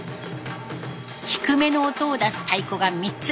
低めの音を出す太鼓が３つ。